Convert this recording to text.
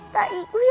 tak ibu ya